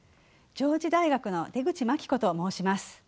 上智大学の出口真紀子と申します。